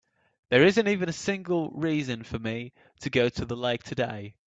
There isn't even a single reason for me to go to the lake today.